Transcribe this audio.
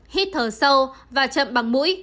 hít thở sâu và chậm bằng mũi